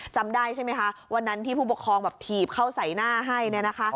จำได้ใช่ไหมคะวันนั้นที่ผู้ปกครองแบบถีบเข้าใส่หน้าให้เนี่ยนะคะ